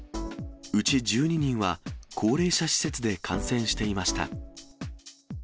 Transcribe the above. うち１２人は、高齢者施設で感染していました。